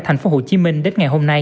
thành phố hồ chí minh đến ngày hôm nay